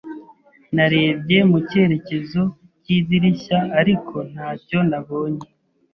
Narebye mu cyerekezo cy'idirishya, ariko ntacyo nabonye.